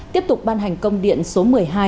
tiếp tục ban hành công điện số một mươi hai